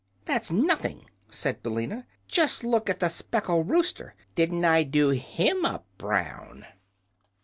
"That's nothing," said Billina. "Just look at the speckled rooster! Didn't I do him up brown?"